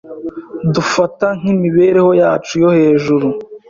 Dufata nk'imibereho yacu yo hejuru.